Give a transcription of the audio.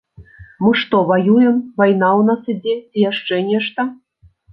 Мы што, ваюем, вайна ў нас ідзе ці яшчэ нешта?